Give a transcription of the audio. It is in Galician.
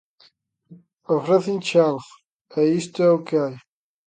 Ofrécenche algo e isto é o que hai.